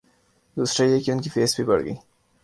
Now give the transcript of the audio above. دوسرا یہ کہ ان کی فیس بھی بڑھ گئی۔